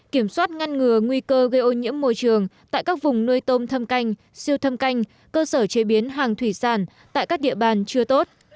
kiểm soát ngăn ngừa nguy cơ gây ô nhiễm môi trường tại các vùng nuôi tôm thâm canh siêu thâm canh cơ sở chế biến hàng thủy sản tại các địa bàn chưa tốt